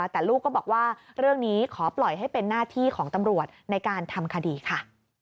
แต่ลูกก็บอกว่าเรื่องนี้ขอปล่อยให้เป็นหน้าที่ของตำรวจในการทำคดีค่ะ